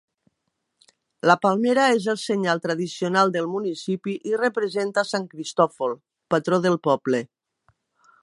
La palmera és el senyal tradicional del municipi, i representa sant Cristòfol, patró del poble.